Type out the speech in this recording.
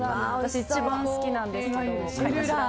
私、一番好きなんですけど。